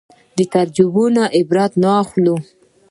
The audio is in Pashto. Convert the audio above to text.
تجربو نه عبرت واخلو